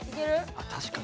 あ確かに。